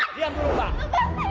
diam dulu pak